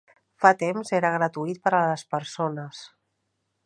Fa temps era gratuït per a les persones.